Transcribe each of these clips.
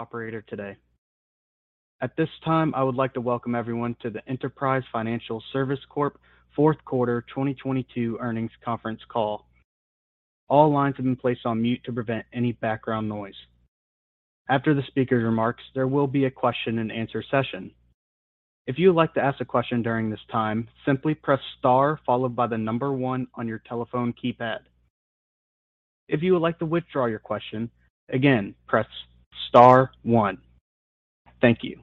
Operator today. At this time, I would like to welcome everyone to the Enterprise Financial Services Corp Fourth Quarter 2022 Earnings Conference Call. All lines have been placed on mute to prevent any background noise. After the speaker's remarks, there will be a question and answer session. If you would like to ask a question during this time, simply press star followed by the one on your telephone keypad. If you would like to withdraw your question, again, press star one. Thank you.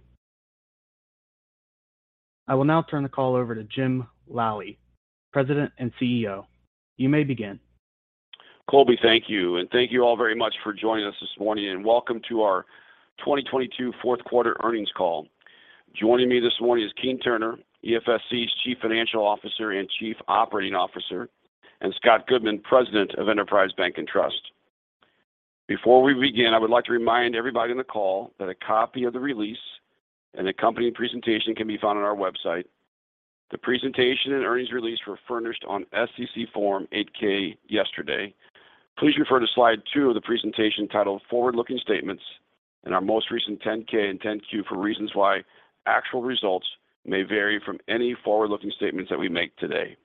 I will now turn the call over to Jim Lally, President and CEO. You may begin. Colby, thank you. Thank you all very much for joining us this morning, and welcome to our 2022 Fourth Quarter Earnings Call. Joining me this morning is Keene Turner, EFSC's Chief Financial Officer and Chief Operating Officer, and Scott Goodman, President of Enterprise Bank & Trust. Before we begin, I would like to remind everybody on the call that a copy of the release and accompanying presentation can be found on our website. The presentation and earnings release were furnished on SEC Form 8-K yesterday. Please refer to slide two of the presentation titled Forward-Looking Statements and our most recent 10-K and 10-Q for reasons why actual results may vary from any forward-looking statements that we make today.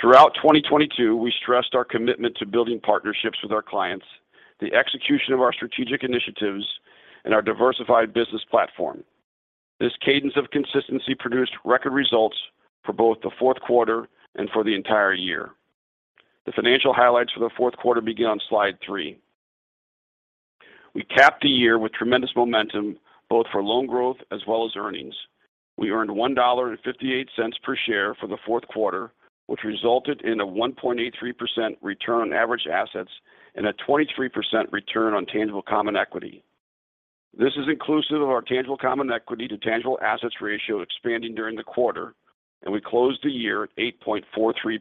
Throughout 2022, we stressed our commitment to building partnerships with our clients, the execution of our strategic initiatives, and our diversified business platform. This cadence of consistency produced record results for both the fourth quarter and for the entire year. The financial highlights for the fourth quarter begin on slide three. We capped the year with tremendous momentum, both for loan growth as well as earnings. We earned $1.58 per share for the fourth quarter, which resulted in a 1.83% return on average assets and a 23% return on tangible common equity. This is inclusive of our tangible common equity to tangible assets ratio expanding during the quarter, and we closed the year at 8.43%.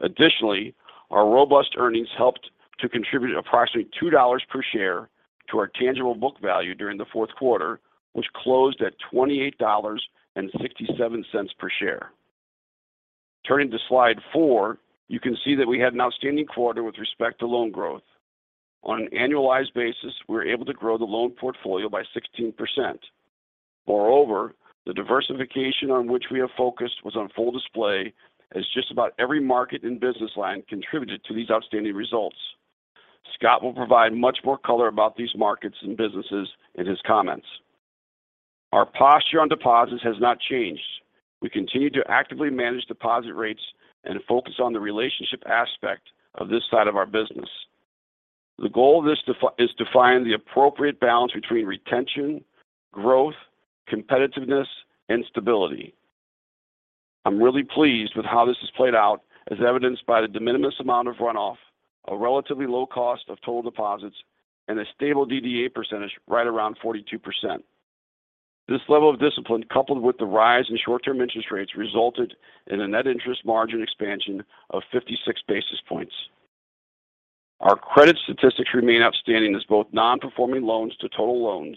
Additionally, our robust earnings helped to contribute approximately $2 per share to our tangible book value during the fourth quarter, which closed at $28.67 per share. Turning to slide four, you can see that we had an outstanding quarter with respect to loan growth. On an annualized basis, we were able to grow the loan portfolio by 16%. The diversification on which we have focused was on full display as just about every market and business line contributed to these outstanding results. Scott will provide much more color about these markets and businesses in his comments. Our posture on deposits has not changed. We continue to actively manage deposit rates and focus on the relationship aspect of this side of our business. The goal of this is to find the appropriate balance between retention, growth, competitiveness, and stability. I'm really pleased with how this has played out as evidenced by the de minimis amount of runoff, a relatively low cost of total deposits, and a stable DDA percentage right around 42%. This level of discipline, coupled with the rise in short-term interest rates, resulted in a net interest margin expansion of 56 basis points. Our credit statistics remain outstanding as both non-performing loans to total loans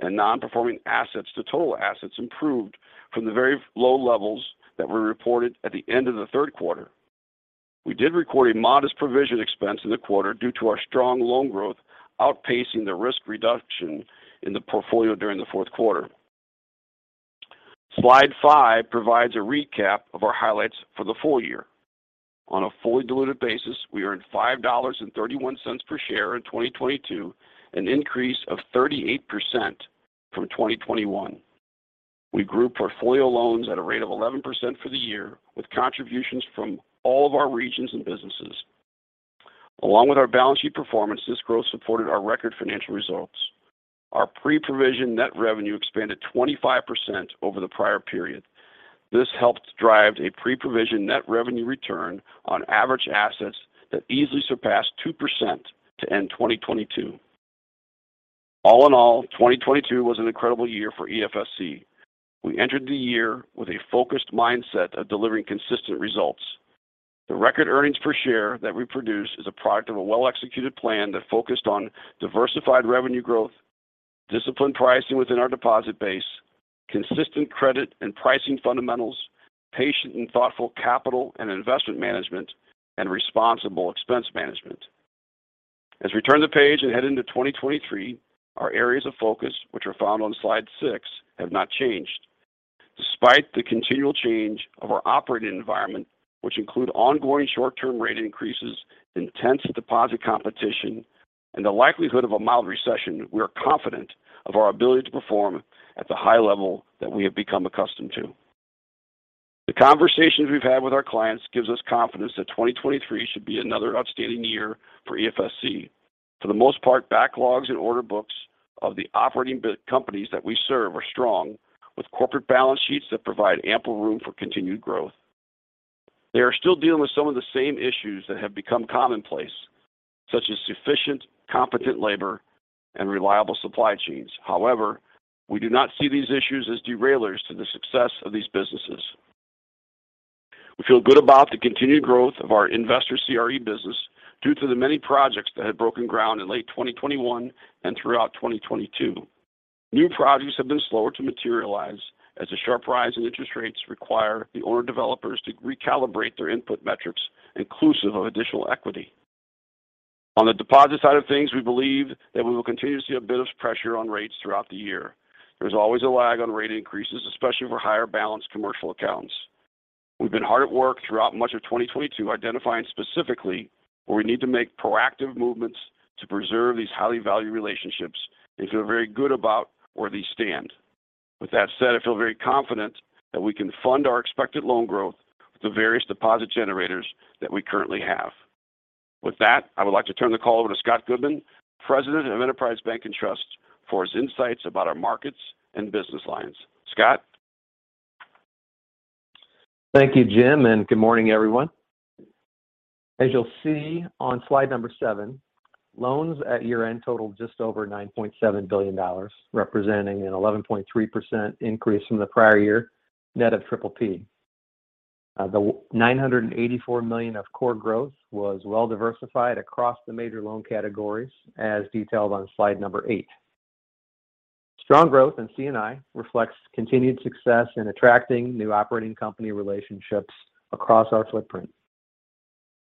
and non-performing assets to total assets improved from the very low levels that were reported at the end of the third quarter. We did record a modest provision expense in the quarter due to our strong loan growth outpacing the risk reduction in the portfolio during the fourth quarter. Slide five provides a recap of our highlights for the full year. On a fully diluted basis, we earned $5.31 per share in 2022, an increase of 38% from 2021. We grew portfolio loans at a rate of 11% for the year, with contributions from all of our regions and businesses. Along with our balance sheet performance, this growth supported our record financial results. Our Pre-Provision Net Revenue expanded 25% over the prior period. This helped drive a Pre-Provision Net Revenue return on average assets that easily surpassed 2% to end 2022. All in all, 2022 was an incredible year for EFSC. We entered the year with a focused mindset of delivering consistent results. The record earnings per share that we produced is a product of a well-executed plan that focused on diversified revenue growth, disciplined pricing within our deposit base, consistent credit and pricing fundamentals, patient and thoughtful capital and investment management, and responsible expense management. As we turn the page and head into 2023, our areas of focus, which are found on slide 6, have not changed. Despite the continual change of our operating environment, which include ongoing short-term rate increases, intense deposit competition, and the likelihood of a mild recession, we are confident of our ability to perform at the high level that we have become accustomed to. The conversations we've had with our clients gives us confidence that 2023 should be another outstanding year for EFSC. For the most part, backlogs and order books of the operating companies that we serve are strong, with corporate balance sheets that provide ample room for continued growth. They are still dealing with some of the same issues that have become commonplace, such as sufficient, competent labor and reliable supply chains. We do not see these issues as derailers to the success of these businesses. We feel good about the continued growth of our investor CRE business due to the many projects that had broken ground in late 2021 and throughout 2022. New projects have been slower to materialize as a sharp rise in interest rates require the owner-developers to recalibrate their input metrics inclusive of additional equity. On the deposit side of things, we believe that we will continue to see a bit of pressure on rates throughout the year. There's always a lag on rate increases, especially for higher balanced commercial accounts. We've been hard at work throughout much of 2022 identifying specifically where we need to make proactive movements to preserve these highly valued relationships and feel very good about where they stand. With that said, I feel very confident that we can fund our expected loan growth with the various deposit generators that we currently have. With that, I would like to turn the call over to Scott Goodman, President of Enterprise Bank & Trust, for his insights about our markets and business lines. Scott? Thank you, Jim. Good morning, everyone. As you'll see on slide number seven, loans at year-end totaled just over $9.7 billion, representing an 11.3% increase from the prior year net of PPP. $984 million of core growth was well diversified across the major loan categories as detailed on slide number 8. Strong growth in C&I reflects continued success in attracting new operating company relationships across our footprint.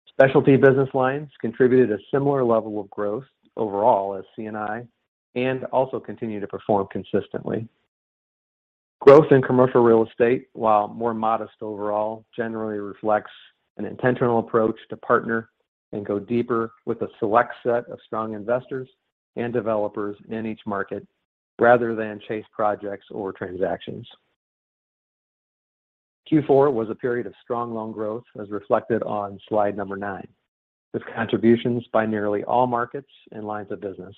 Specialty business lines contributed a similar level of growth overall as C&I and also continue to perform consistently. Growth in commercial real estate, while more modest overall, generally reflects an intentional approach to partner and go deeper with a select set of strong investors and developers in each market rather than chase projects or transactions. Q4 was a period of strong loan growth as reflected on slide number nine, with contributions by nearly all markets and lines of business.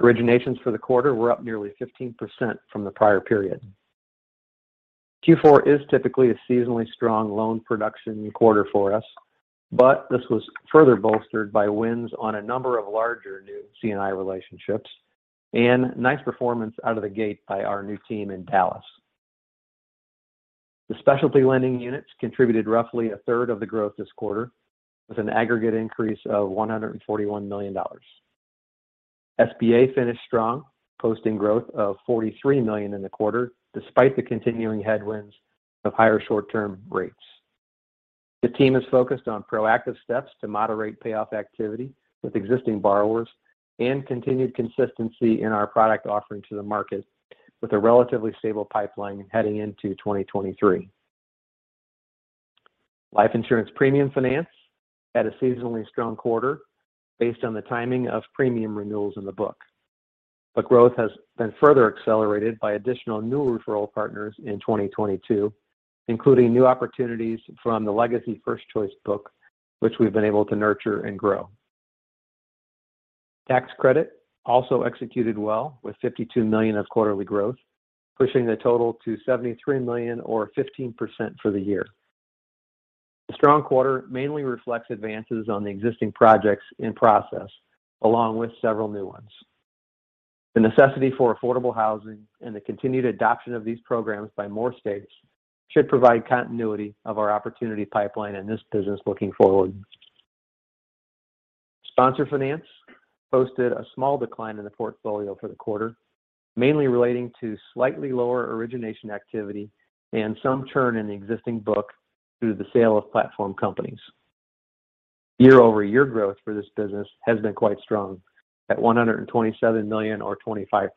Originations for the quarter were up nearly 15% from the prior period. Q4 is typically a seasonally strong loan production quarter for us, but this was further bolstered by wins on a number of larger new C&I relationships and nice performance out of the gate by our new team in Dallas. The specialty lending units contributed roughly a third of the growth this quarter with an aggregate increase of $141 million. SBA finished strong, posting growth of $43 million in the quarter despite the continuing headwinds of higher short-term rates. The team is focused on proactive steps to moderate payoff activity with existing borrowers and continued consistency in our product offering to the market with a relatively stable pipeline heading into 2023. Life Insurance Premium Finance had a seasonally strong quarter based on the timing of premium renewals in the book. Growth has been further accelerated by additional new referral partners in 2022, including new opportunities from the legacy First Choice book, which we've been able to nurture and grow. Tax Credit also executed well with $52 million of quarterly growth, pushing the total to $73 million or 15% for the year. The strong quarter mainly reflects advances on the existing projects in process along with several new ones. The necessity for affordable housing and the continued adoption of these programs by more states should provide continuity of our opportunity pipeline in this business looking forward. Sponsor Finance posted a small decline in the portfolio for the quarter, mainly relating to slightly lower origination activity and some churn in the existing book through the sale of platform companies. Year-over-year growth for this business has been quite strong at $127 million or 25%.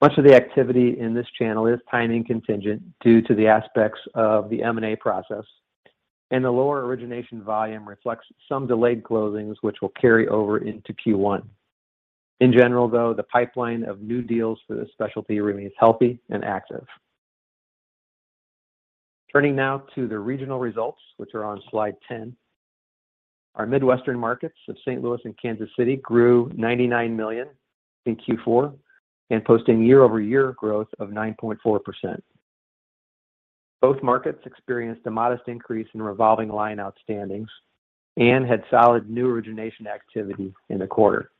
Much of the activity in this channel is timing contingent due to the aspects of the M&A process, and the lower origination volume reflects some delayed closings which will carry over into Q1. In general, though, the pipeline of new deals for this specialty remains healthy and active. Turning now to the regional results, which are on slide 10. Our Midwestern markets of St. Louis and Kansas City grew $99 million in Q4 and posting year-over-year growth of 9.4%. Both markets experienced a modest increase in revolving line outstandings and had solid new origination activity in the quarter.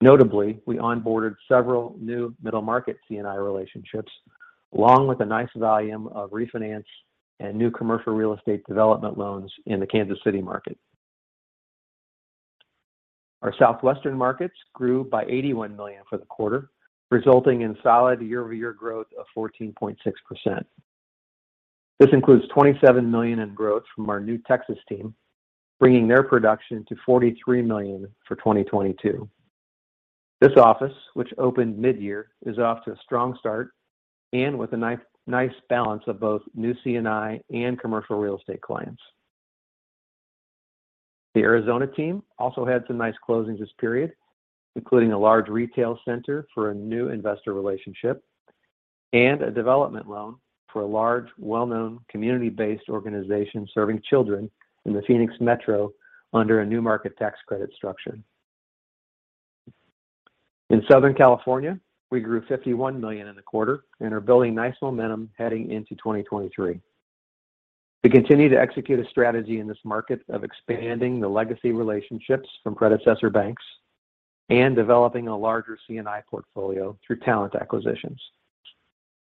Notably, we onboarded several new middle market C&I relationships, along with a nice volume of refinance and new commercial real estate development loans in the Kansas City market. Our Southwestern markets grew by $81 million for the quarter, resulting in solid year-over-year growth of 14.6%. This includes $27 million in growth from our new Texas team, bringing their production to $43 million for 2022. This office, which opened mid-year, is off to a strong start and with a nice balance of both new C&I and commercial real estate clients. The Arizona team also had some nice closings this period, including a large retail center for a new investor relationship and a development loan for a large, well-known community-based organization serving children in the Phoenix Metro under a New Markets Tax Credit structure. In Southern California, we grew $51 million in the quarter and are building nice momentum heading into 2023. We continue to execute a strategy in this market of expanding the legacy relationships from predecessor banks and developing a larger C&I portfolio through talent acquisitions.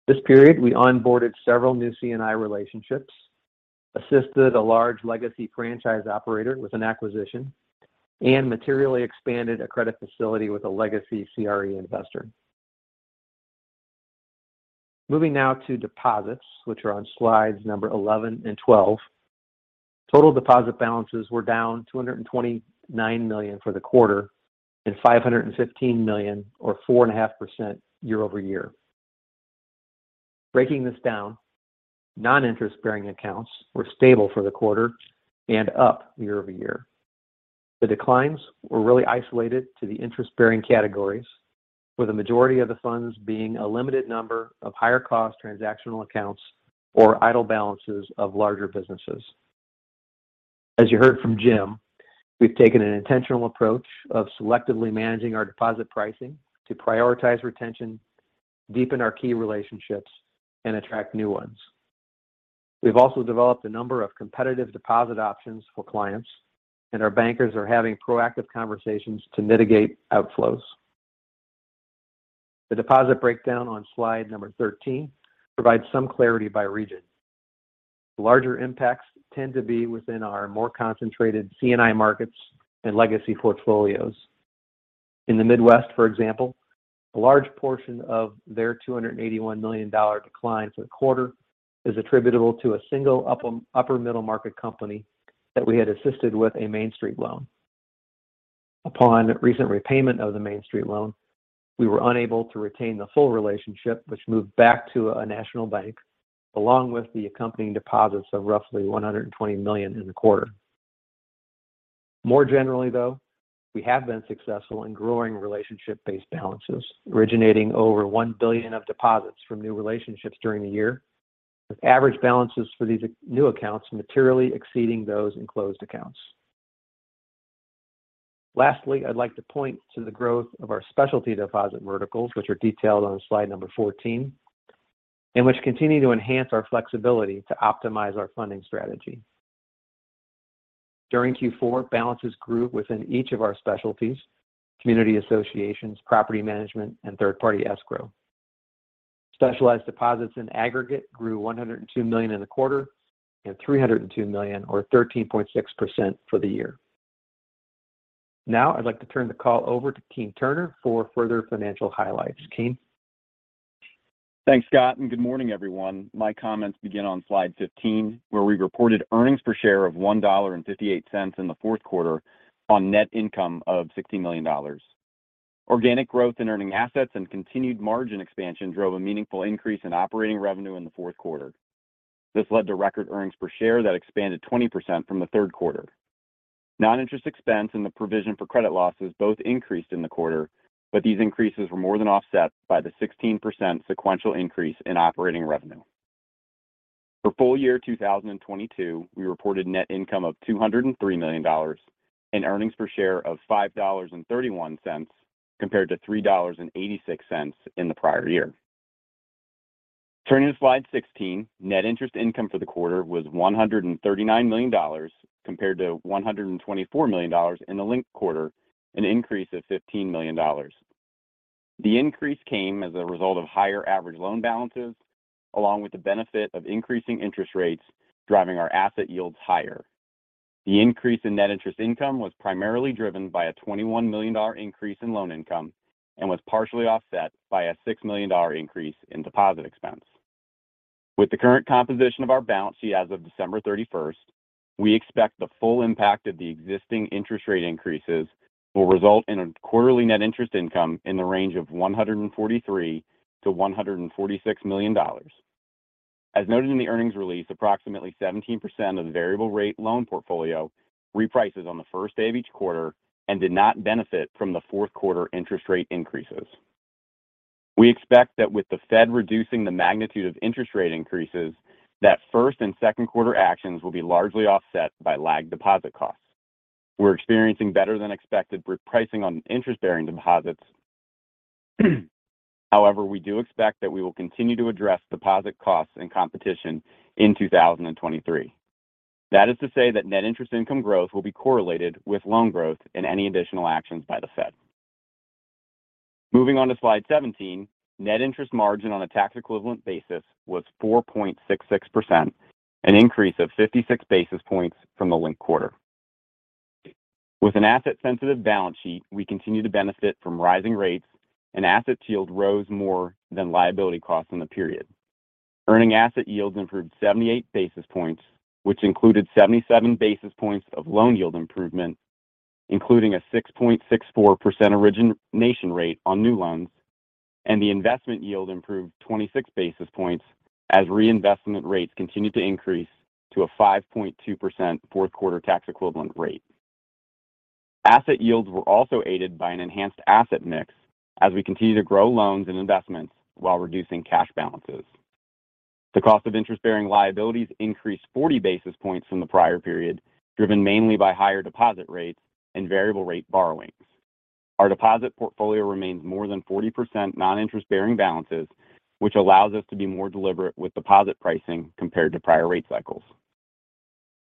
This period, we onboarded several new C&I relationships, assisted a large legacy franchise operator with an acquisition, and materially expanded a credit facility with a legacy CRE investor. Moving now to deposits, which are on slides number 11 and 12. Total deposit balances were down $229 million for the quarter and $515 million or 4.5% year-over-year. Breaking this down, non-interest bearing accounts were stable for the quarter and up year-over-year. The declines were really isolated to the interest bearing categories, with a majority of the funds being a limited number of higher cost transactional accounts or idle balances of larger businesses. As you heard from Jim, we've taken an intentional approach of selectively managing our deposit pricing to prioritize retention, deepen our key relationships, and attract new ones. We've also developed a number of competitive deposit options for clients, and our bankers are having proactive conversations to mitigate outflows. The deposit breakdown on slide number 13 provides some clarity by region. Larger impacts tend to be within our more concentrated C&I markets and legacy portfolios. In the Midwest, for example, a large portion of their $281 million decline for the quarter is attributable to a single upper middle market company that we had assisted with a Main Street loan. Upon recent repayment of the Main Street loan, we were unable to retain the full relationship which moved back to a national bank, along with the accompanying deposits of roughly $120 million in the quarter. More generally, though, we have been successful in growing relationship-based balances, originating over $1 billion of deposits from new relationships during the year, with average balances for these new accounts materially exceeding those in closed accounts. Lastly, I'd like to point to the growth of our specialty deposit verticals, which are detailed on slide number 14, and which continue to enhance our flexibility to optimize our funding strategy. During Q4, balances grew within each of our specialties, community associations, property management, and third-party escrow. Specialized deposits in aggregate grew $102 million in the quarter and $302 million or 13.6% for the year. I'd like to turn the call over to Keene Turner for further financial highlights. Keene? Thanks, Scott. Good morning, everyone. My comments begin on slide 15, where we reported earnings per share of $1.58 in the fourth quarter on net income of $60 million. Organic growth in earning assets and continued margin expansion drove a meaningful increase in operating revenue in the fourth quarter. This led to record earnings per share that expanded 20% from the third quarter. Non-interest expense and the provision for credit losses both increased in the quarter. These increases were more than offset by the 16% sequential increase in operating revenue. For full year 2022, we reported net income of $203 million and earnings per share of $5.31 compared to $3.86 in the prior year. Turning to slide 16, net interest income for the quarter was $139 million compared to $124 million in the linked quarter, an increase of $15 million. The increase came as a result of higher average loan balances along with the benefit of increasing interest rates driving our asset yields higher. The increase in net interest income was primarily driven by a $21 million increase in loan income and was partially offset by a $6 million increase in deposit expense. With the current composition of our balance sheet as of December 31st, we expect the full impact of the existing interest rate increases will result in a quarterly net interest income in the range of $143 million-$146 million. As noted in the earnings release, approximately 17% of the variable rate loan portfolio reprices on the first day of each quarter and did not benefit from the fourth quarter interest rate increases. We expect that with the Fed reducing the magnitude of interest rate increases, that first and second quarter actions will be largely offset by lagged deposit costs. We're experiencing better than expected repricing on interest-bearing deposits. We do expect that we will continue to address deposit costs and competition in 2023. That is to say that net interest income growth will be correlated with loan growth and any additional actions by the Fed. Moving on to slide 17, net interest margin on a tax equivalent basis was 4.66%, an increase of 56 basis points from the linked quarter. With an asset-sensitive balance sheet, we continue to benefit from rising rates and assets yield rose more than liability costs in the period. Earning asset yields improved 78 basis points, which included 77 basis points of loan yield improvement, including a 6.64% origination rate on new loans, and the investment yield improved 26 basis points as reinvestment rates continued to increase to a 5.2% fourth quarter tax equivalent rate. Asset yields were also aided by an enhanced asset mix as we continue to grow loans and investments while reducing cash balances. The cost of interest-bearing liabilities increased 40 basis points from the prior period, driven mainly by higher deposit rates and variable rate borrowings. Our deposit portfolio remains more than 40% non-interest-bearing balances, which allows us to be more deliberate with deposit pricing compared to prior rate cycles.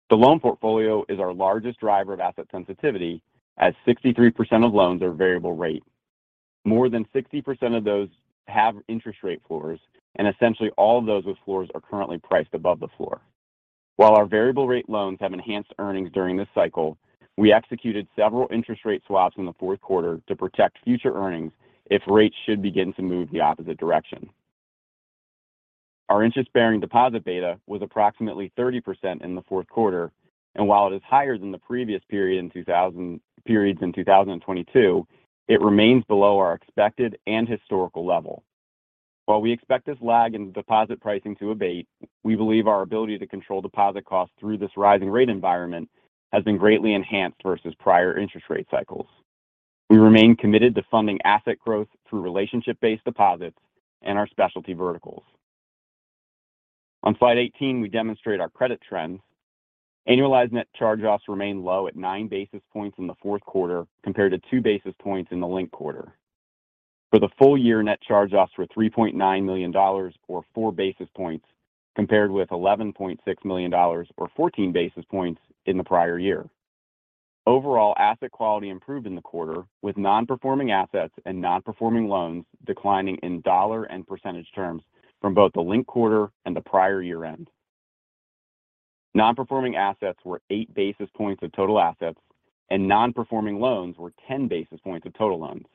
The loan portfolio is our largest driver of asset sensitivity, as 63% of loans are variable rate. More than 60% of those have interest rate floors, and essentially all of those with floors are currently priced above the floor. While our variable rate loans have enhanced earnings during this cycle, we executed several interest rate swaps in the fourth quarter to protect future earnings if rates should begin to move the opposite direction. Our interest-bearing deposit beta was approximately 30% in the fourth quarter, and while it is higher than the previous periods in 2022, it remains below our expected and historical level. While we expect this lag in deposit pricing to abate, we believe our ability to control deposit costs through this rising rate environment has been greatly enhanced versus prior interest rate cycles. We remain committed to funding asset growth through relationship-based deposits and our specialty verticals. On slide 18, we demonstrate our credit trends. Annualized net charge-offs remain low at nine basis points in the fourth quarter compared to two basis points in the linked quarter. For the full year, net charge-offs were $3.9 million or four basis points compared with $11.6 million or 14 basis points in the prior year. Overall, asset quality improved in the quarter, with non-performing assets and non-performing loans declining in dollar and percentage terms from both the linked quarter and the prior year-end. Non-performing assets were eight basis points of total assets, and non-performing loans were 10 basis points of total loans.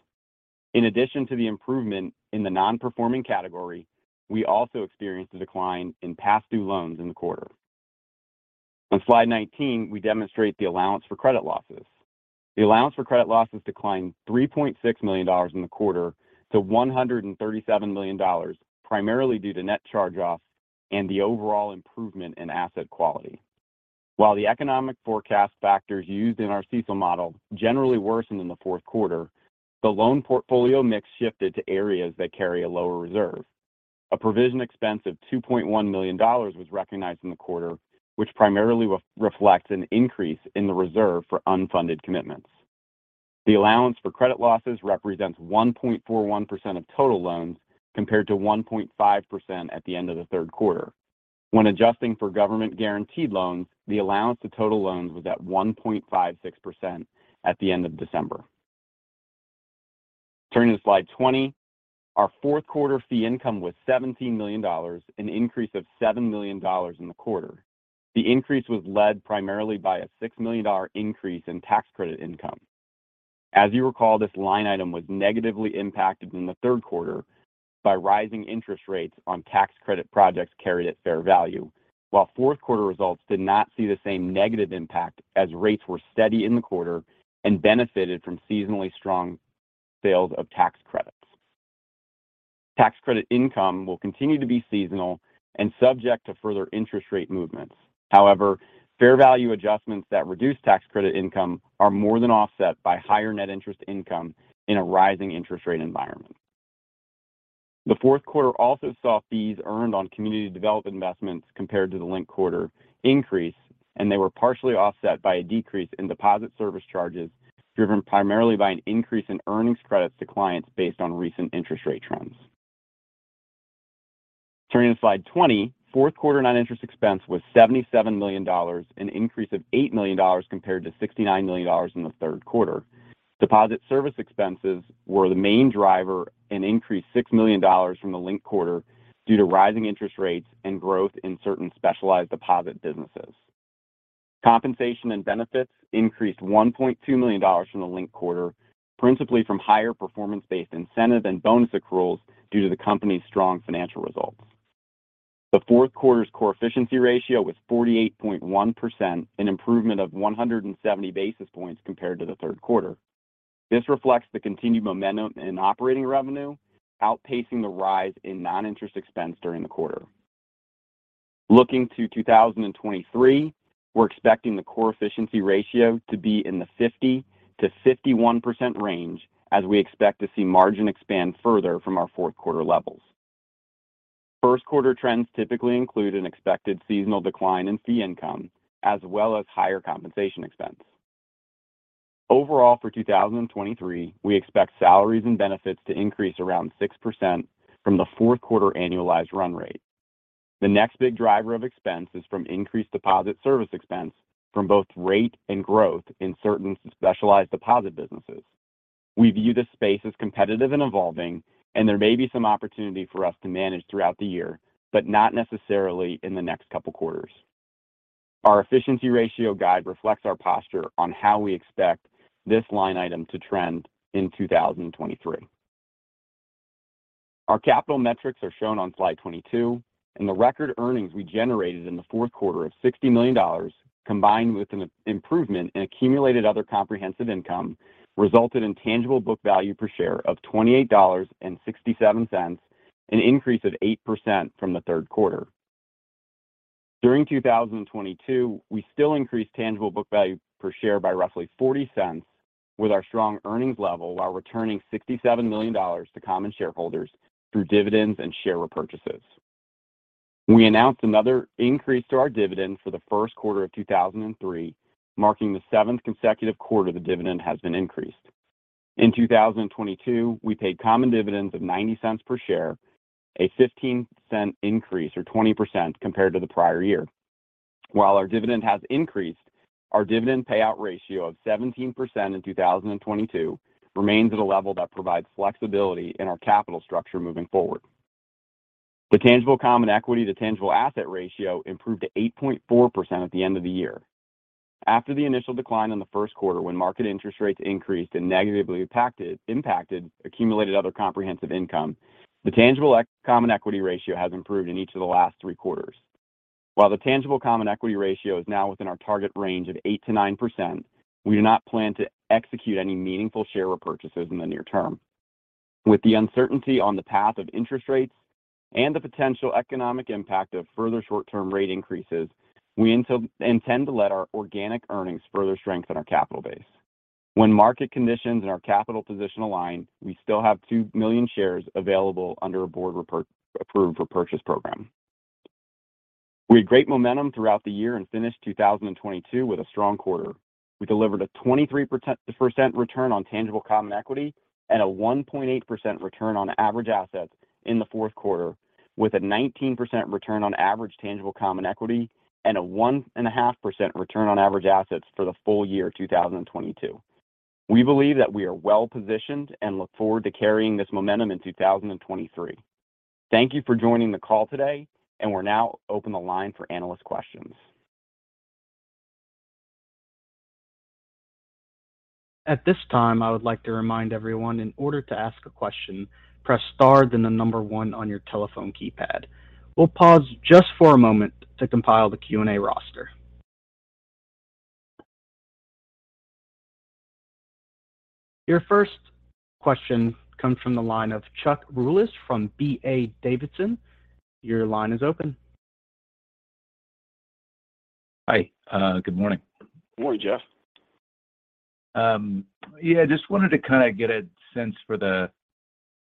In addition to the improvement in the non-performing category, we also experienced a decline in past due loans in the quarter. On slide 19, we demonstrate the allowance for credit losses. The allowance for credit losses declined $3.6 million in the quarter to $137 million, primarily due to net charge-offs and the overall improvement in asset quality. While the economic forecast factors used in our CECL model generally worsened in the fourth quarter, the loan portfolio mix shifted to areas that carry a lower reserve. A provision expense of $2.1 million was recognized in the quarter, which primarily re-reflects an increase in the reserve for unfunded commitments. The allowance for credit losses represents 1.41% of total loans, compared to 1.5% at the end of the third quarter. When adjusting for government-guaranteed loans, the allowance to total loans was at 1.56% at the end of December. Turning to slide 20, our fourth quarter fee income was $17 million, an increase of $7 million in the quarter. The increase was led primarily by a $6 million increase in Tax Credit income. As you recall, this line item was negatively impacted in the third quarter by rising interest rates on Tax Credit projects carried at fair value. While fourth quarter results did not see the same negative impact as rates were steady in the quarter and benefited from seasonally strong sales of Tax Credits. Tax credit income will continue to be seasonal and subject to further interest rate movements. Fair value adjustments that reduce tax credit income are more than offset by higher net interest income in a rising interest rate environment. The fourth quarter also saw fees earned on community development investments compared to the linked quarter increase, and they were partially offset by a decrease in deposit service charges, driven primarily by an increase in Earnings Credits to clients based on recent interest rate trends. Turning to slide 20, fourth quarter non-interest expense was $77 million, an increase of $8 million compared to $69 million in the third quarter. Deposit service expenses were the main driver and increased $6 million from the linked quarter due to rising interest rates and growth in certain specialized deposit businesses. Compensation and benefits increased $1.2 million from the linked quarter, principally from higher performance-based incentive and bonus accruals due to the company's strong financial results. The fourth quarter's core efficiency ratio was 48.1%, an improvement of 170 basis points compared to the third quarter. This reflects the continued momentum in operating revenue, outpacing the rise in non-interest expense during the quarter. Looking to 2023, we're expecting the core efficiency ratio to be in the 50%-51% range as we expect to see margin expand further from our fourth quarter levels. First quarter trends typically include an expected seasonal decline in fee income as well as higher compensation expense. Overall, for 2023, we expect salaries and benefits to increase around 6% from the fourth quarter annualized run rate. The next big driver of expense is from increased deposit service expense from both rate and growth in certain specialized deposit businesses. We view this space as competitive and evolving. There may be some opportunity for us to manage throughout the year, but not necessarily in the next couple quarters. Our efficiency ratio guide reflects our posture on how we expect this line item to trend in 2023. Our capital metrics are shown on slide 22. The record earnings we generated in the fourth quarter of $60 million, combined with an improvement in Accumulated Other Comprehensive Income, resulted in tangible book value per share of $28.67, an increase of 8% from the third quarter. During 2022, we still increased tangible book value per share by roughly $0.40 with our strong earnings level while returning $67 million to common shareholders through dividends and share repurchases. We announced another increase to our dividend for the first quarter of 2003, marking the 7th consecutive quarter the dividend has been increased. In 2022, we paid common dividends of $0.90 per share, a $0.15 increase or 20% compared to the prior year. While our dividend has increased, our dividend payout ratio of 17% in 2022 remains at a level that provides flexibility in our capital structure moving forward. The Tangible Common Equity to tangible asset ratio improved to 8.4% at the end of the year. After the initial decline in the first quarter when market interest rates increased and negatively impacted Accumulated Other Comprehensive Income, the Tangible Common Equity ratio has improved in each of the last three quarters. While the Tangible Common Equity ratio is now within our target range of 8%-9%, we do not plan to execute any meaningful share repurchases in the near term. With the uncertainty on the path of interest rates and the potential economic impact of further short-term rate increases, we intend to let our organic earnings further strengthen our capital base. When market conditions and our capital position align, we still have 2 million shares available under a board-approved repurchase program. We had great momentum throughout the year and finished 2022 with a strong quarter. We delivered a 23% return on Tangible Common Equity and a 1.8% return on average assets in the fourth quarter with a 19% return on average Tangible Common Equity and a 1.5% return on average assets for the full year 2022. We believe that we are well-positioned and look forward to carrying this momentum in 2023. Thank you for joining the call today. We'll now open the line for analyst questions. At this time, I would like to remind everyone in order to ask a question, press star then the number one on your telephone keypad. We'll pause just for a moment to compile the Q&A roster. Your first question comes from the line of Jeff Rulis from D.A. Davidson. Your line is open. Hi, good morning. Good morning, Jeff. Yeah, just wanted to kind of get a sense for the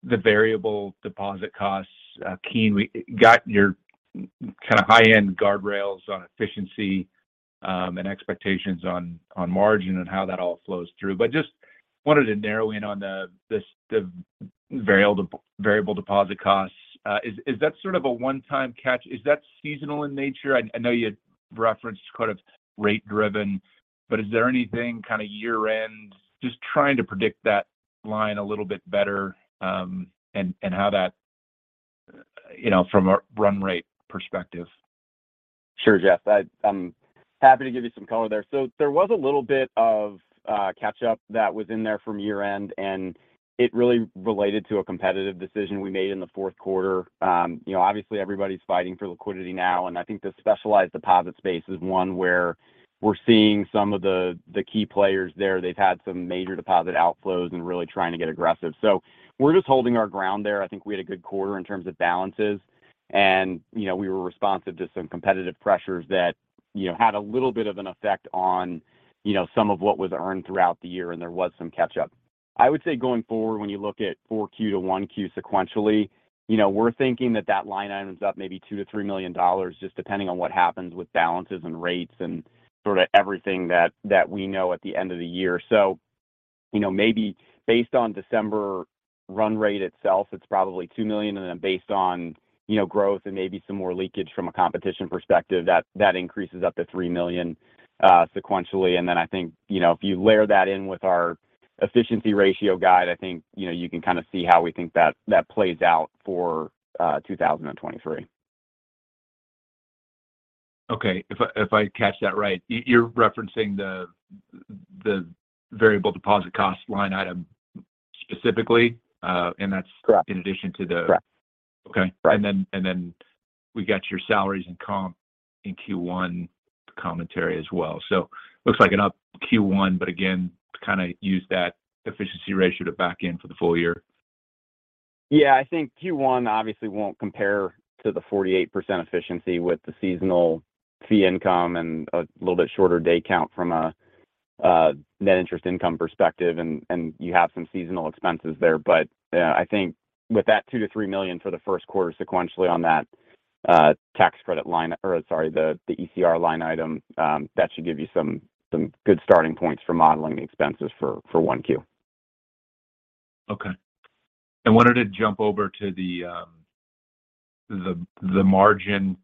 variable deposit costs. Keene, we got your kind of high-end guardrails on efficiency and expectations on margin and how that all flows through. Just wanted to narrow in on the variable deposit costs. Is that sort of a one-time catch? Is that seasonal in nature? I know you referenced sort of rate driven, but is there anything kind of year-end just trying to predict that line a little bit better, and how that, you know, from a run rate perspective? Sure, Jeff. I'm happy to give you some color there. There was a little bit of catch up that was in there from year-end, and it really related to a competitive decision we made in the fourth quarter. You know, obviously everybody's fighting for liquidity now, I think the specialized deposit space is one where we're seeing some of the key players there. They've had some major deposit outflows and really trying to get aggressive. We're just holding our ground there. I think we had a good quarter in terms of balances and, you know, we were responsive to some competitive pressures that, you know, had a little bit of an effect on, you know, some of what was earned throughout the year, and there was some catch-up. I would say going forward when you look at 4Q to 1Q sequentially, you know, we're thinking that that line item is up maybe $2 million-$3 million just depending on what happens with balances and rates and sort of everything that we know at the end of the year. You know, maybe based on December run rate itself, it's probably $2 million. Based on, you know, growth and maybe some more leakage from a competition perspective, that increases up to $3 million sequentially. I think, you know, if you layer that in with our efficiency ratio guide, I think, you know, you can kind of see how we think that plays out for 2023. Okay. If I catch that right, you're referencing the variable deposit cost line item specifically, and that's- Correct. In addition to. Correct. Okay. Right. Then we got your salaries and comp in Q1 commentary as well. Looks like an up Q1, but again, to kind of use that efficiency ratio to back in for the full year. Yeah, I think Q1 obviously won't compare to the 48% efficiency with the seasonal fee income and a little bit shorter day count from a net interest income perspective, and you have some seasonal expenses there. I think with that $2 million-$3 million for the first quarter sequentially on that Tax Credits line, or sorry, the ECR line item, that should give you some good starting points for modeling the expenses for one Q. Okay. I wanted to jump over to the margin.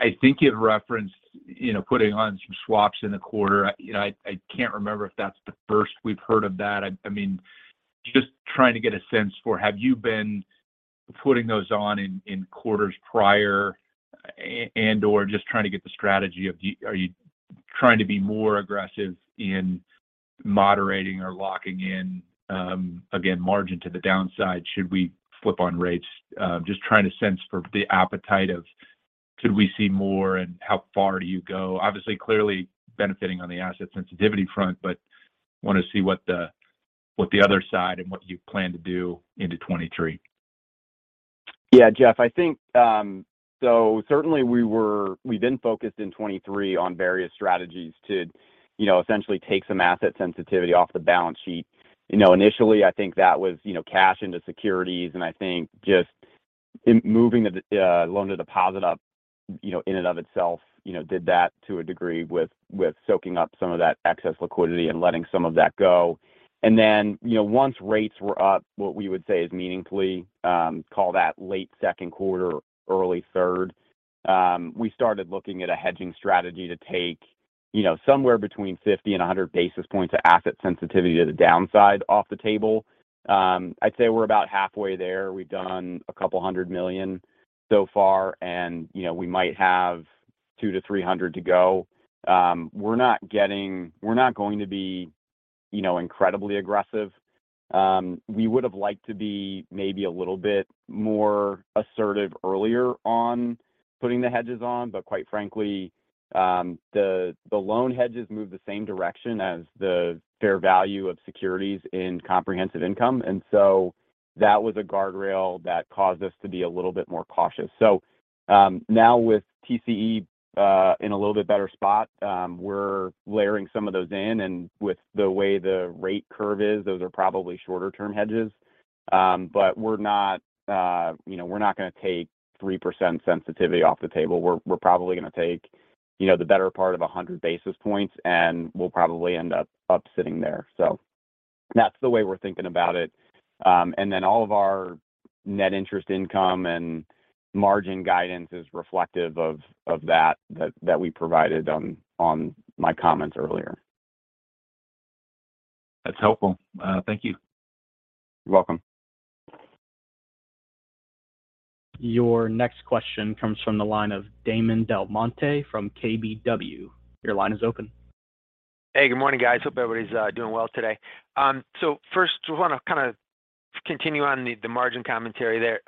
I think it referenced, you know, putting on some swaps in the quarter. You know, I can't remember if that's the first we've heard of that. I mean, just trying to get a sense for have you been putting those on in quarters prior and/or just trying to get the strategy of are you trying to be more aggressive in moderating or locking in, again, margin to the downside should we flip on rates? Just trying to sense for the appetite of could we see more and how far do you go? Obviously, clearly benefiting on the asset sensitivity front, but want to see what the, what the other side and what you plan to do into 2023. Yeah, Jeff, I think, certainly we've been focused in 23 on various strategies to, you know, essentially take some asset sensitivity off the balance sheet. You know, initially I think that was, you know, cash into securities and I think just in moving the loan-to-deposit up, you know, in and of itself, you know, did that to a degree with soaking up some of that excess liquidity and letting some of that go. You know, once rates were up what we would say is meaningfully, call that late second quarter, early third, we started looking at a hedging strategy to take, you know, somewhere between 50 and 100 basis points of asset sensitivity to the downside off the table. I'd say we're about halfway there. We've done $200 million so far and, you know, we might have $200-$300 to go. We're not going to be, you know, incredibly aggressive. We would've liked to be maybe a little bit more assertive earlier on putting the hedges on, but quite frankly, the loan hedges move the same direction as the fair value of securities in comprehensive income. That was a guardrail that caused us to be a little bit more cautious. Now with TCE in a little bit better spot, we're layering some of those in, and with the way the rate curve is, those are probably shorter term hedges. We're not, you know, we're not gonna take 3% sensitivity off the table. We're probably gonna take, you know, the better part of 100 basis points, and we'll probably end up sitting there. That's the way we're thinking about it. Then all of our net interest income and margin guidance is reflective of that we provided on my comments earlier. That's helpful. Thank you. You're welcome. Your next question comes from the line of Damon DelMonte from KBW. Your line is open. Hey, good morning, guys. Hope everybody's doing well today. First we wanna kinda continue on the margin commentary there.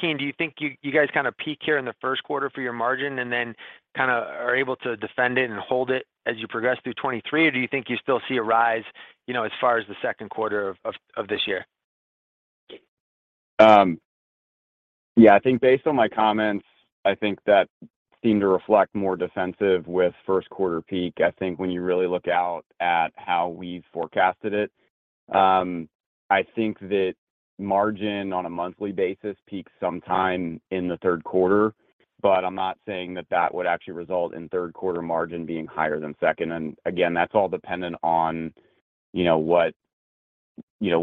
Keene, do you think you guys kinda peak here in the 1st quarter for your margin and then kinda are able to defend it and hold it as you progress through 2023? Or do you think you still see a rise, you know, as far as the 2nd quarter of this year? Yeah, I think based on my comments, I think that seemed to reflect more defensive with first quarter peak. I think when you really look out at how we've forecasted it, I think that margin on a monthly basis peaks sometime in the third quarter. I'm not saying that that would actually result in third quarter margin being higher than second. Again, that's all dependent on, you know, what, you know,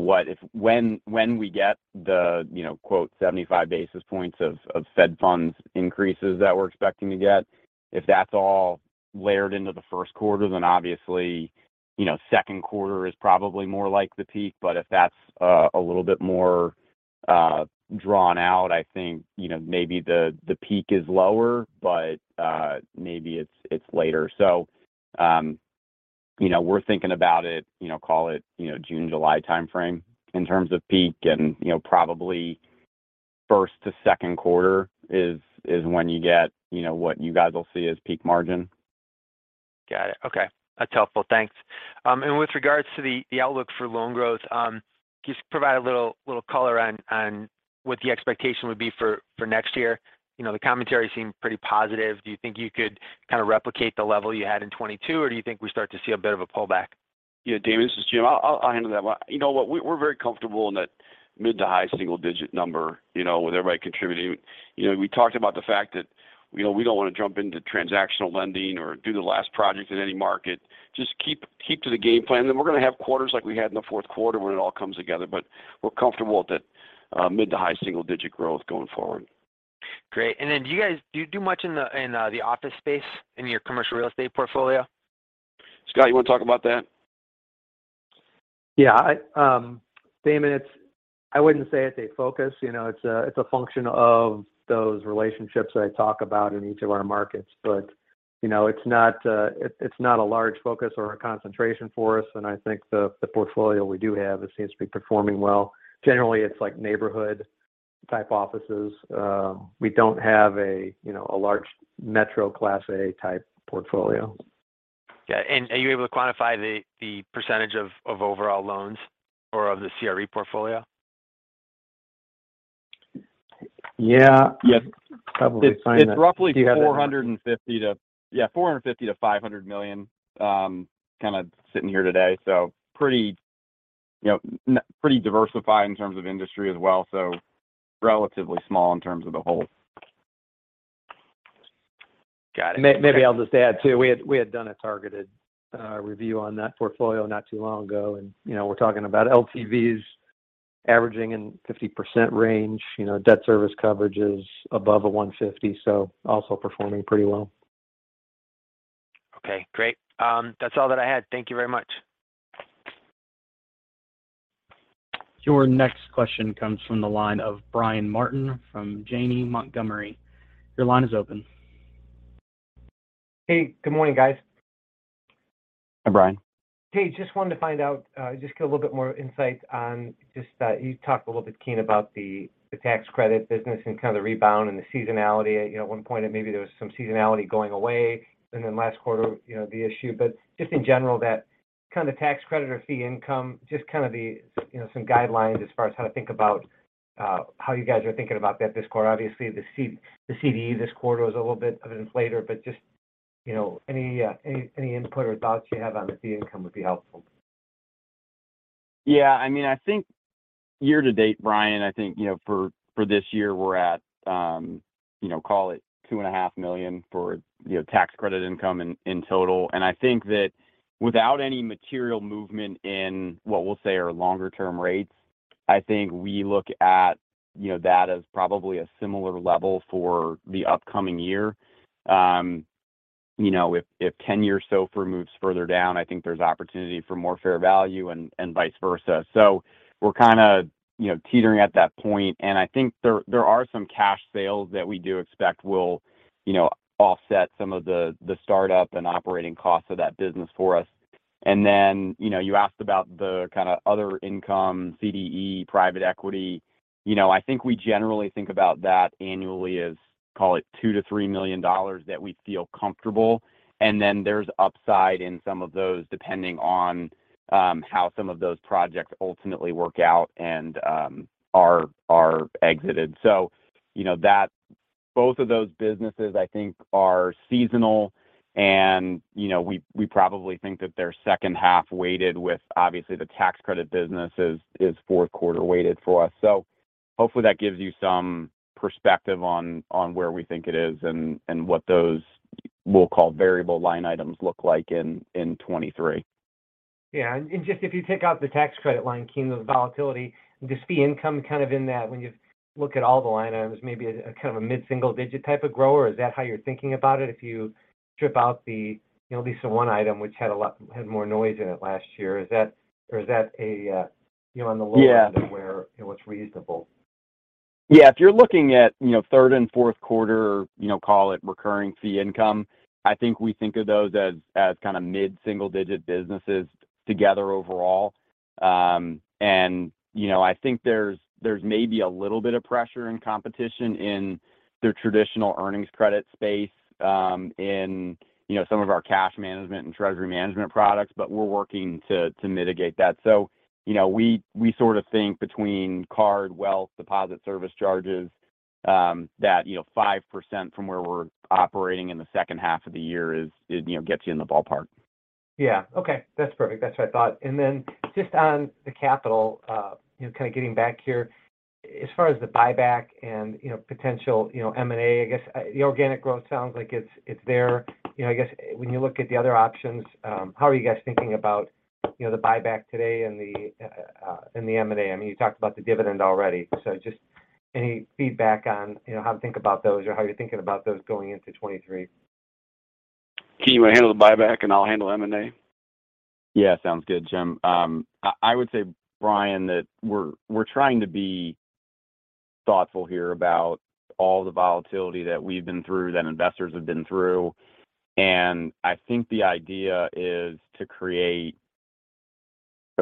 when we get the, you know, quote, 75 basis points of Fed funds increases that we're expecting to get. If that's all layered into the first quarter, then obviously, you know, second quarter is probably more like the peak. If that's a little bit more drawn out, I think, you know, maybe the peak is lower, but maybe it's later. you know, we're thinking about it, you know, call it, you know, June-July timeframe in terms of peak. you know, probably first to second quarter is when you get, you know, what you guys will see as peak margin. Got it. Okay. That's helpful. Thanks. With regards to the outlook for loan growth, can you just provide a little color on what the expectation would be for next year? You know, the commentary seemed pretty positive. Do you think you could kinda replicate the level you had in 2022, or do you think we start to see a bit of a pullback? Yeah, Damon, this is Jim. I'll handle that one. You know what? We're very comfortable in that mid to high single digit number, you know, with everybody contributing. You know, we talked about the fact that, you know, we don't wanna jump into transactional lending or do the last project in any market. Just keep to the game plan. We're gonna have quarters like we had in the fourth quarter when it all comes together. We're comfortable with that mid to high single digit growth going forward. Great. Then do you do much in the office space in your commercial real estate portfolio? Scott, you wanna talk about that? Yeah. I, Damon, I wouldn't say it's a focus, you know. It's a, it's a function of those relationships that I talk about in each of our markets. You know, it's not, it's not a large focus or a concentration for us. I think the portfolio we do have, it seems to be performing well. Generally, it's like neighborhood-type offices. We don't have a, you know, a large metro class A type portfolio. Yeah. Are you able to quantify the percentage of overall loans or of the CRE portfolio? Yeah. Yeah. Probably find that. It's roughly, yeah, $450 million to $500 million, kinda sitting here today. Pretty, you know, pretty diversified in terms of industry as well, so relatively small in terms of the whole. Got it. Maybe I'll just add too. We had done a targeted review on that portfolio not too long ago and, you know, we're talking about LTVs averaging in 50% range. You know, debt service coverage is above a 150, so also performing pretty well. Okay, great. That's all that I had. Thank you very much. Your next question comes from the line of Brian Martin from Janney Montgomery. Your line is open. Hey, good morning guys. Hi, Brian. Hey, just wanted to find out, just get a little bit more insight on just, you talked a little bit, Keene, about the Tax Credits business and kind of the rebound and the seasonality. You know, at one point maybe there was some seasonality going away. Last quarter, you know, the issue. Just in general that kind of Tax Credits or fee income, just kind of the, you know, some guidelines as far as how to think about, how you guys are thinking about that this quarter. Obviously the CDE this quarter was a little bit of an inflator, just, you know, any input or thoughts you have on the fee income would be helpful. Yeah. I mean, I think year to date, Brian, I think, you know, for this year we're at, you know, call it two and a half million for, you know, Tax Credits income in total. I think that without any material movement in what we'll say are longer term rates, I think we look at, you know, that as probably a similar level for the upcoming year. You know, if 10 years SOFR moves further down, I think there's opportunity for more fair value and vice versa. We're kind of, you know, teetering at that point and I think there are some cash sales that we do expect will, you know, offset some of the startup and operating costs of that business for us. Then, you know, you asked about the kind of other income, CDE, private equity. You know, I think we generally think about that annually as, call it $2 million-$3 million that we feel comfortable. Then there's upside in some of those depending on how some of those projects ultimately work out and are exited. You know, both of those businesses I think are seasonal and, you know, we probably think that they're second half weighted with obviously the Tax Credits business is fourth quarter weighted for us. Hopefully that gives you some perspective on where we think it is and what those we'll call variable line items look like in 2023. Yeah. Just if you take out the Tax Credits line, Keene, the volatility and just fee income kind of in that when you look at all the line items, maybe a kind of a mid-single digit type of grower, is that how you're thinking about it if you strip out the, you know, at least the one item which had more noise in it last year? Is that a, you know, on the lower end- Yeah... of where, you know, it's reasonable? Yeah. If you're looking at, you know, third and fourth quarter, you know, call it recurring fee income, I think we think of those as kind of mid-single-digit businesses together overall. You know, I think there's maybe a little bit of pressure and competition in the traditional Earnings Credit space, in, you know, some of our cash management and treasury management products. We're working to mitigate that. You know, we sort of think between card, wealth, deposit service charges, that, you know, 5% from where we're operating in the second half of the year is, you know, gets you in the ballpark. Yeah. Okay. That's perfect. That's what I thought. Then just on the capital, you know, kind of getting back here as far as the buyback and, you know, potential, you know, M&A, I guess the organic growth sounds like it's there. You know, I guess when you look at the other options, how are you guys thinking about, you know, the buyback today and the and the M&A? I mean, you talked about the dividend already, so just any feedback on, you know, how to think about those or how you're thinking about those going into 2023? Keen, you want to handle the buyback and I'll handle M&A? Yeah. Sounds good, Jim. I would say, Brian, that we're trying to be thoughtful here about all the volatility that we've been through, that investors have been through. I think the idea is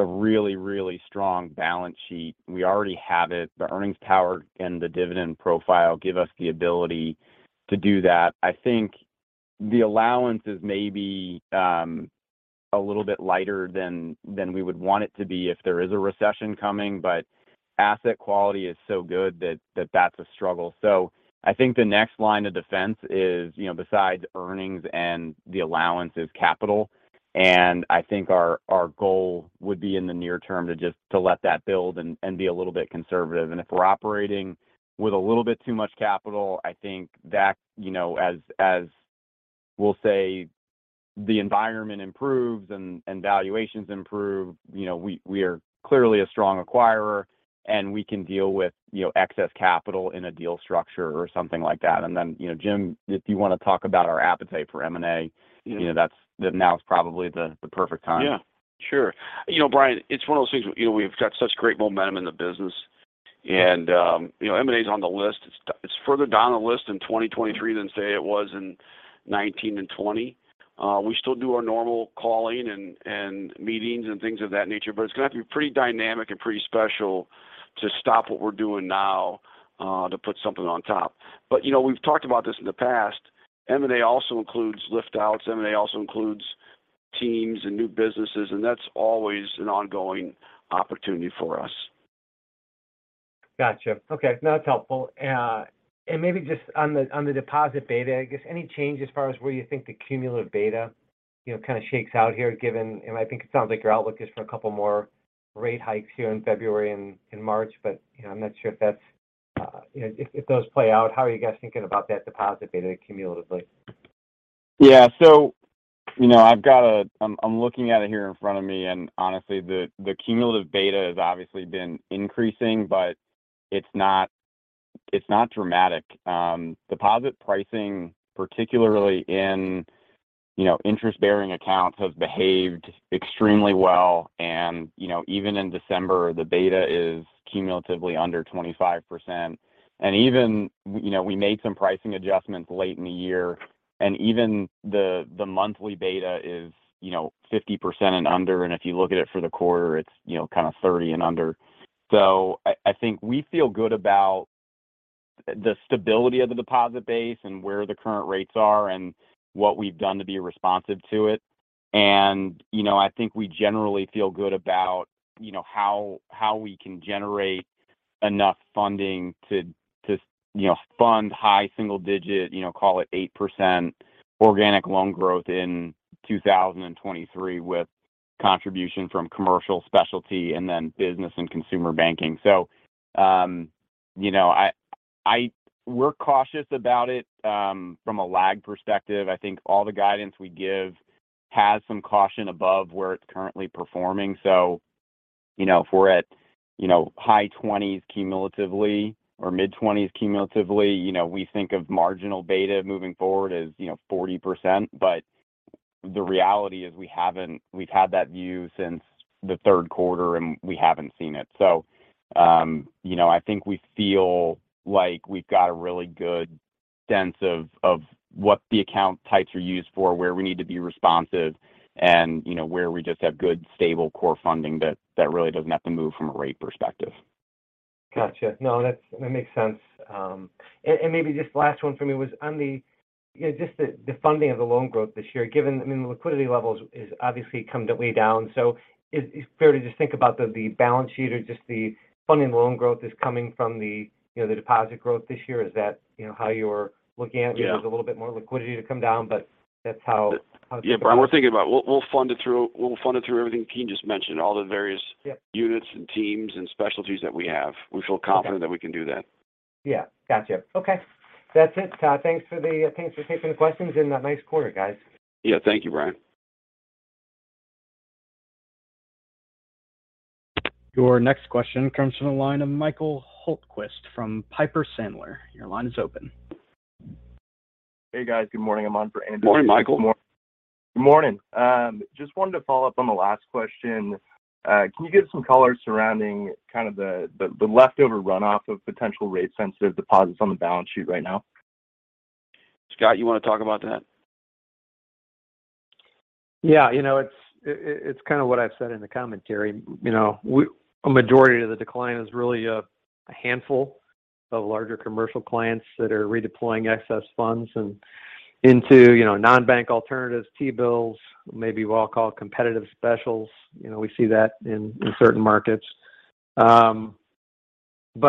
to create a really, really strong balance sheet. We already have it. The earnings power and the dividend profile give us the ability to do that. I think the allowance is maybe a little bit lighter than we would want it to be if there is a recession coming. Asset quality is so good that that's a struggle. I think the next line of defense is, you know, besides earnings and the allowance is capital. I think our goal would be in the near term to just to let that build and be a little bit conservative. If we're operating with a little bit too much capital, I think that, you know, as we'll say the environment improves and valuations improve, you know, we are clearly a strong acquirer and we can deal with, you know, excess capital in a deal structure or something like that. Then, you know, Jim, if you want to talk about our appetite for M&A... Yeah... you know, now's probably the perfect time. Sure. You know, Brian, it's one of those things, you know, we've got such great momentum in the business and, you know, M&A's on the list. It's further down the list in 2023 than say it was in 2019 and 2020. We still do our normal calling and meetings and things of that nature, but it's gonna have to be pretty dynamic and pretty special to stop what we're doing now to put something on top. You know, we've talked about this in the past. M&A also includes lift outs, M&A also includes teams and new businesses, and that's always an ongoing opportunity for us. Gotcha. Okay. No, that's helpful. Maybe just on the deposit beta, I guess any change as far as where you think the cumulative beta, you know, kind of shakes out here and I think it sounds like your outlook is for a couple more rate hikes here in February and in March. You know, I'm not sure if that's, if those play out, how are you guys thinking about that deposit beta cumulatively? You know, I'm looking at it here in front of me, and honestly the cumulative beta has obviously been increasing, but it's not, it's not dramatic. Deposit pricing, particularly in, you know, interest-bearing accounts has behaved extremely well. You know, even in December the beta is cumulatively under 25%. You know, we made some pricing adjustments late in the year and even the monthly beta is, you know, 50% and under. If you look at it for the quarter it's, you know, kind of 30 and under. I think we feel good about the stability of the deposit base and where the current rates are and what we've done to be responsive to it. You know, I think we generally feel good about, you know, how we can generate enough funding to, you know, fund high single digit, you know, call it 8% organic loan growth in 2023 with contribution from commercial specialty and then business and consumer banking. You know, we're cautious about it, from a lag perspective. I think all the guidance we give has some caution above where it's currently performing. You know, if we're at, you know, high 20s cumulatively or mid-20s cumulatively, you know, we think of marginal beta moving forward as, you know, 40%. The reality is we haven't we've had that view since the third quarter, and we haven't seen it. You know, I think we feel like we've got a really good sense of what the account types are used for, where we need to be responsive and, you know, where we just have good stable core funding that really doesn't have to move from a rate perspective. Gotcha. No, that's-- that makes sense. And, and maybe just last one for me was on the, you know, just the funding of the loan growth this year given-- I mean, the liquidity levels is obviously come way down. Is it fair to just think about the balance sheet or just the funding loan growth is coming from the, you know, the deposit growth this year? Is that, you know, how you're looking at it? Yeah. There's a little bit more liquidity to come down, but that's how. Yeah. We're thinking about we'll fund it through everything Keene just mentioned, all the various. Yeah... units and teams and specialties that we have. We feel confident. Okay... that we can do that. Yeah. Gotcha. Okay. That's it. Thanks for taking the questions and a nice quarter, guys. Yeah, thank you, Brian. Your next question comes from the line of Michael Hultquist from Piper Sandler. Your line is open. Hey, guys. Good morning. I'm on for Andrew. Morning, Michael. Good morning. Just wanted to follow up on the last question. Can you give some color surrounding kind of the leftover runoff of potential rate sensitive deposits on the balance sheet right now? Scott, you wanna talk about that? Yeah. You know, it's kind of what I've said in the commentary. You know, a majority of the decline is really a handful of larger commercial clients that are redeploying excess funds and into, you know, non-bank alternatives, T-bills, maybe what I'll call competitive specials. You know, we see that in certain markets.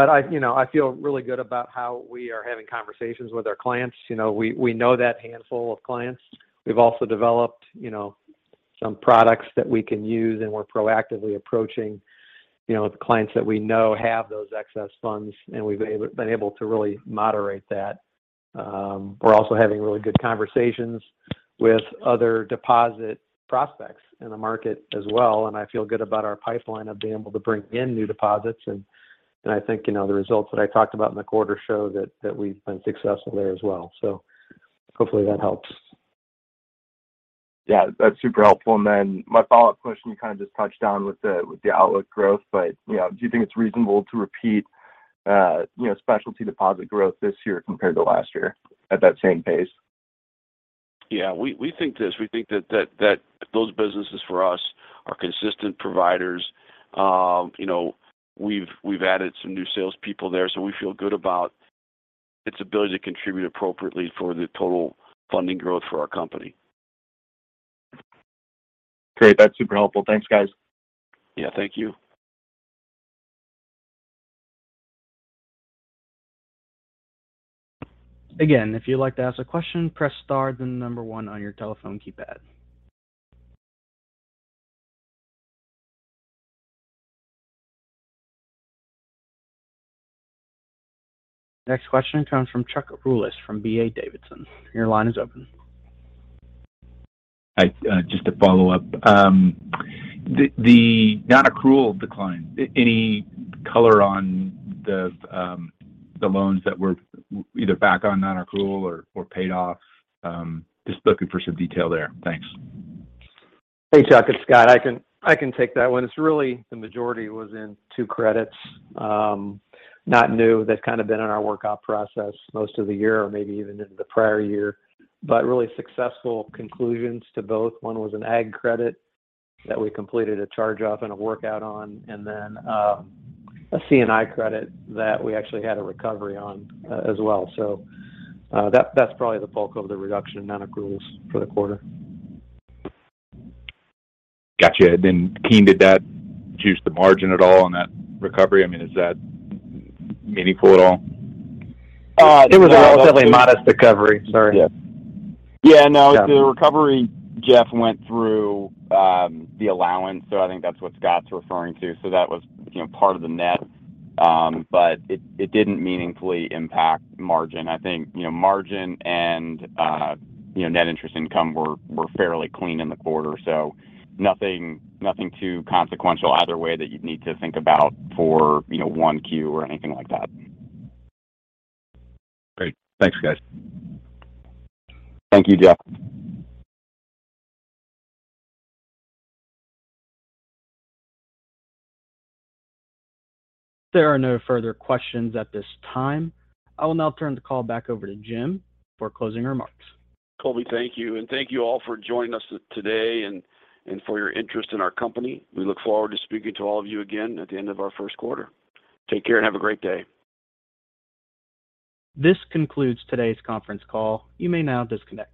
I, you know, I feel really good about how we are having conversations with our clients. You know, we know that handful of clients. We've also developed, you know, some products that we can use, and we're proactively approaching, you know, the clients that we know have those excess funds, and we've been able to really moderate that. We're also having really good conversations with other deposit prospects in the market as well, and I feel good about our pipeline of being able to bring in new deposits. I think, you know, the results that I talked about in the quarter show that we've been successful there as well. Hopefully that helps. Yeah, that's super helpful. My follow-up question you kind of just touched on with the outlook growth, but, you know, do you think it's reasonable to repeat, you know, specialty deposit growth this year compared to last year at that same pace? Yeah. We think this. We think that those businesses for us are consistent providers. you know, we've added some new sales people there, so we feel good about its ability to contribute appropriately for the total funding growth for our company. Great. That's super helpful. Thanks, guys. Yeah, thank you. Again, if you'd like to ask a question, press star then the number one on your telephone keypad. Next question comes from Jeff Rulis from D.A. Davidson. Your line is open. Hi. Just to follow up. The non-accrual decline, any color on the loans that were either back on non-accrual or paid off? Just looking for some detail there. Thanks. Hey, Jeff. It's Scott. I can take that one. It's really the majority was in two credits, not new. They've kind of been in our workout process most of the year or maybe even in the prior year. Really successful conclusions to both. One was an ag credit that we completed a charge-off and a workout on, and then, a C&I credit that we actually had a recovery on as well. That's probably the bulk of the reduction in non-accruals for the quarter. Gotcha. Keene, did that juice the margin at all on that recovery? I mean, is that meaningful at all? It was a relatively modest recovery. Sorry. Yeah. Yeah, no. The recovery Jeff went through, the allowance, I think that's what Scott's referring to. That was, you know, part of the net, but it didn't meaningfully impact margin. I think, you know, margin and, you know, net interest income were fairly clean in the quarter. Nothing, nothing too consequential either way that you'd need to think about for, you know, 1Q or anything like that. Great. Thanks, guys. Thank you, Jeff. There are no further questions at this time. I will now turn the call back over to Jim for closing remarks. Colby, thank you, and thank you all for joining us today and for your interest in our company. We look forward to speaking to all of you again at the end of our first quarter. Take care and have a great day. This concludes today's conference call. You may now disconnect.